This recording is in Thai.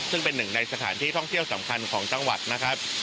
ซึ่งเป็นหนึ่งในสถานที่ท่องเที่ยวสำคัญของจังหวัดนะครับ